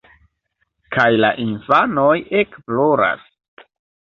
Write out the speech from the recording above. Kaj la infanoj ekploras.